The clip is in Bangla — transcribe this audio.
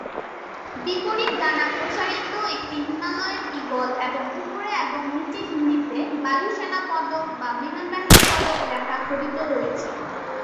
বিপরীত: ডানা প্রসারিত একটি হিমালয়ান ঈগল এবং উপরে এবং নীচে হিন্দিতে "বায়ু সেনা পদক" বা "বিমানবাহিনী/পদক" লেখা খোদিত রয়েছে।